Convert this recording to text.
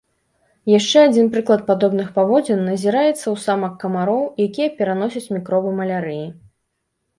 Яшчэ адзін прыклад падобных паводзін назіраецца ў самак камароў, якія пераносяць мікробы малярыі.